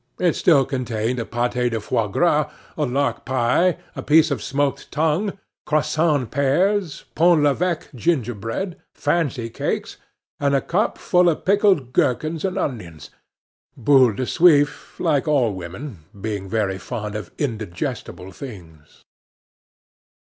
It still contained a pate de foie gras, a lark pie, a piece of smoked tongue, Crassane pears, Pont Leveque gingerbread, fancy cakes, and a cup full of pickled gherkins and onions Boule de Suif, like all women, being very fond of indigestible things.